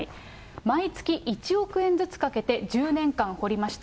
毎月１億円ずつかけて、１０年間掘りました。